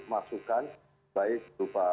masukan baik rupa